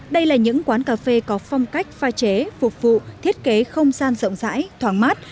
đây là những quán cà phê có phong cách pha chế phục vụ thiết kế không gian rộng rãi thoáng mát